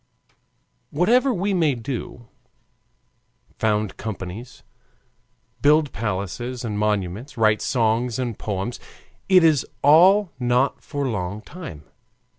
Whatever we may do found companies, build palaces and monuments, write songs and poems it is all not for long time.